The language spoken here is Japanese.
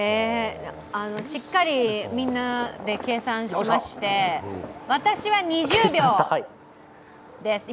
しっかりみんなで計算しまして私は２０秒です。